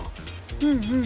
うんうん。